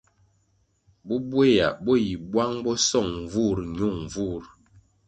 Bubweya bo yi bwang bo song nvurʼ nyun nvurʼ.